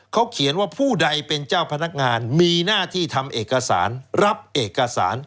เขาเขียนว่าผู้ใดเป็นเจ้าพนักงานมีหน้าที่ทำเอกสารรับเอกสาร